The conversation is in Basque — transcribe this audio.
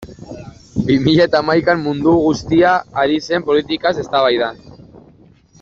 Bi mila eta hamaikan mundu guztia ari zen politikaz eztabaidan.